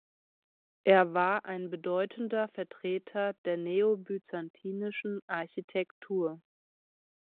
Er war ein bedeutender Vertreter der Neobyzantinischen Architektur.